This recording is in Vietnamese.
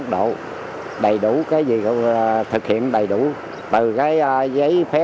ký cam kết thực hiện đúng các quy định về